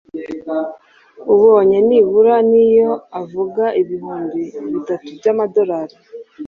ubonye nibura niyo avuga ibihumbi bitatu by’ amadorali,